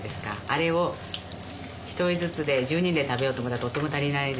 あれを１人ずつで１０人で食べようと思ったらとても足りないですよね。